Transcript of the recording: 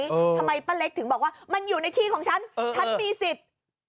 ทำไมป้าเล็กถึงบอกว่ามันอยู่ในที่ของฉันฉันมีสิทธิ์